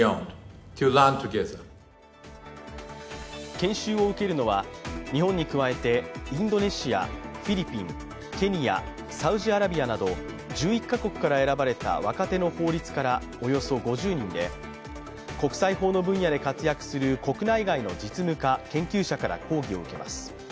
研修を受けるのは日本に加えてインドネシア、フィリピンケニア、サウジアラビアなど、１１か国から選ばれた若手の法律家らおよそ５０人で国際法の分野で活躍する国内外の実務家研究者から講義を受けます。